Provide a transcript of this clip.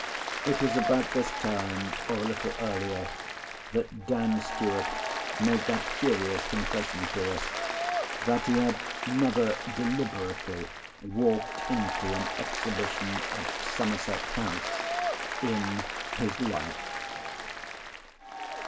—It was about this time, or a little earlier, that Dan. Stuart made that curious confession to us, that he had "never deliberately walked into an Exhibition at Somerset House in his life."